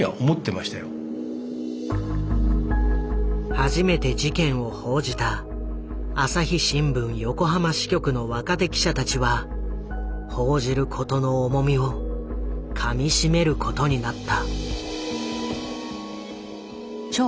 初めて事件を報じた朝日新聞横浜支局の若手記者たちは報じることの重みをかみしめることになった。